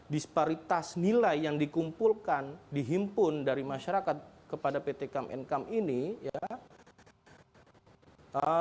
disparitas nilai yang dikumpulkan dihimpun dari masyarakat kepada pt come and come ini ya